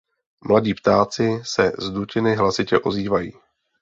Mladí ptáci se z dutiny hlasitě ozývají.